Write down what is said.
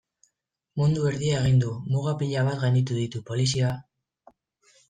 Mundu erdia egin du, muga pila bat gainditu ditu, polizia...